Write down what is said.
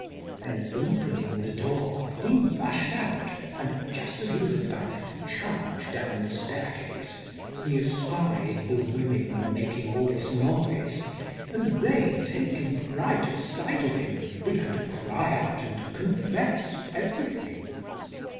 Then opening the door he rushed out, and just as he was about to charge down the staircase he espied the women making all this noise ; and they, taking fright at sight of him, began to cry out and confess every thing.